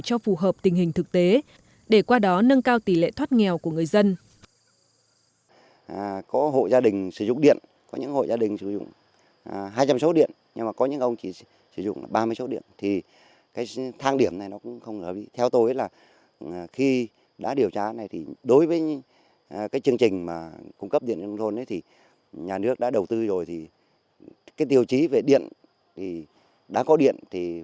cho phù hợp tình hình thực tế để qua đó nâng cao tỷ lệ thoát nghèo của người dân